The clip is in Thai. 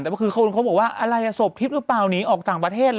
แต่คือเขาบอกว่าอะไรอ่ะศพทิศหรือเปล่านี้ออกต่างประเทศ